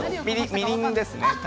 みりんですか。